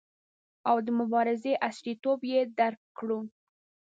او د مبارزې عصریتوب یې درک کړو.